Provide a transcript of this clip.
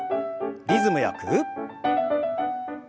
リズムよく。